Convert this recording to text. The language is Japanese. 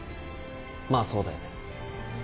まあそうだよね。